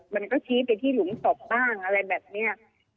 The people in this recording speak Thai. มันก็ชี้ไปที่หลุมศพบ้างอะไรแบบนี้